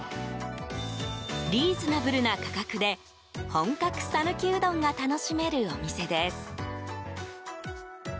リーズナブルな価格で本格讃岐うどんが楽しめるお店です。